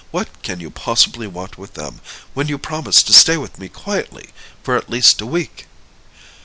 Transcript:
What can you possibly want with them, when you promised to stay with me quietly for at least a week?"